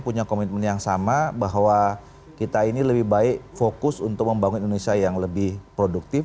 punya komitmen yang sama bahwa kita ini lebih baik fokus untuk membangun indonesia yang lebih produktif